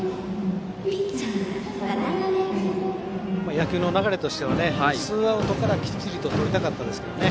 野球の流れとしてはツーアウトからきっちり取りたかったですけどね。